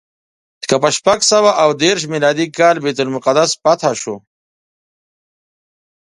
کله چې په شپږ سوه اوه دېرش میلادي کال بیت المقدس فتحه شو.